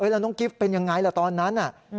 แล้วน้องกิฟต์เป็นยังไงล่ะตอนนั้น